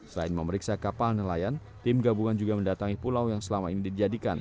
selain memeriksa kapal nelayan tim gabungan juga mendatangi pulau yang selama ini dijadikan